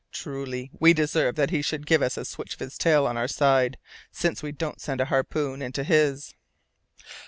Truly, we deserve that he should give us a switch of his tail on our side, since we don't send a harpoon into his."